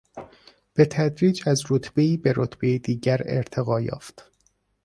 به تدریج از رتبهای به رتبهی دیگر ارتقا یافت.